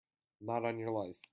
Not on your life!